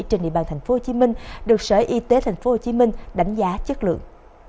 trên địa bàn tp hcm được sở y tế tp hcm đánh giá chất lượng